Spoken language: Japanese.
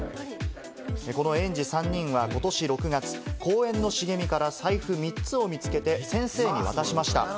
この園児３人はことし６月、公園の茂みから、サイフ３つを見つけて先生に渡しました。